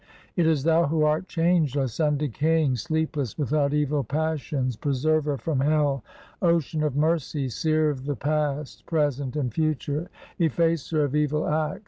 2 It is Thou who art changeless, undecaying, sleepless, without evil passions, Preserver from hell, Ocean of mercy, Seer of the past, present, and future, Effacer of evil acts.